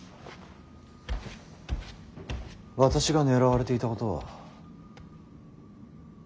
私が狙われていたことは？